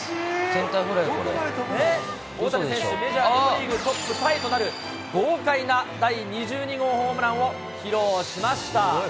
大谷選手、メジャーリーグトップタイとなる豪快な第２２号ホームランを披露しました。